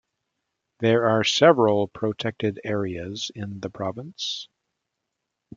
There are several protected areas in the province.